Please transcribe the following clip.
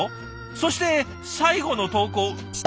そして最後の投稿。